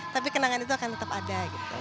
tapi kenangan itu akan tetap ada